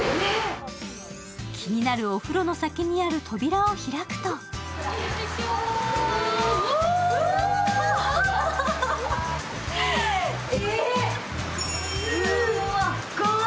気になるお風呂の先にある扉を開くとよいしょー、わー。